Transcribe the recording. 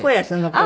これ。